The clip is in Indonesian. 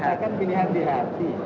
saya kan pilihan di hati